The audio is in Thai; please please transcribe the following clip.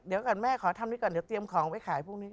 เดี๋ยวก่อนแม่ขอทำนี้ก่อนเดี๋ยวเตรียมของไว้ขายพวกนี้